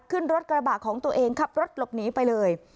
ขึ้นรถกระบะของตัวเองขับรถหลบหนีไปเลย